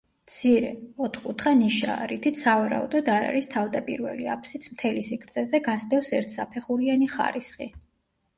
მცირე, ოთხკუთხა ნიშაა, რითიც სავარაუდოდ, არ არის თავდაპირველი აფსიდს მთელი სიგრძეზე გასდევს ერთსაფეხურიანი ხარისხი.